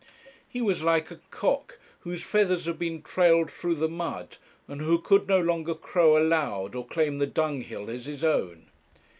He was like a cock whose feathers had been trailed through the mud, and who could no longer crow aloud, or claim the dunghill as his own.